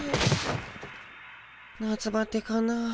夏バテかな？